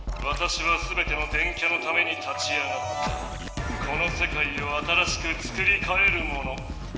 わたしはすべての電キャのために立ち上がったこの世界を新しくつくりかえるもの。